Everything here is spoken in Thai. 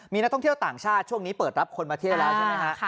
มีนักท่องเที่ยวต่างชาติช่วงนี้เปิดรับคนมาเที่ยวแล้วใช่ไหมฮะ